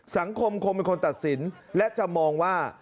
สังคมคงเป็นคนตัดสินและจะมองว่า